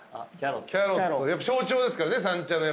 やっぱ象徴ですからね三茶の。